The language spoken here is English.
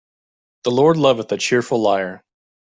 The Lord loveth a cheerful liar.